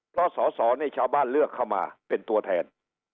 เพราะสอสอนี่ชาวบ้านเลือกเข้ามาเป็นตัวแทน